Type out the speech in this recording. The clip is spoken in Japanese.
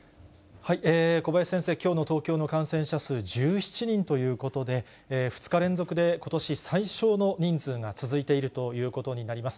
小林先生、きょうの東京の感染者数１７人ということで、２日連続でことし最少の人数が続いているということになります。